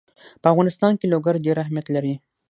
په افغانستان کې لوگر ډېر اهمیت لري.